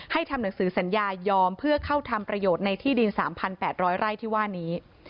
ทำหนังสือสัญญายอมเพื่อเข้าทำประโยชน์ในที่ดิน๓๘๐๐ไร่ที่ว่านี้